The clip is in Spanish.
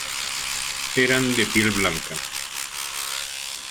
Eran de piel blanca.